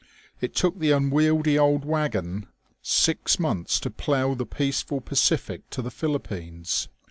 It took the unwieldy old waggon six months to plough the peaceful Pacific to the Philippines.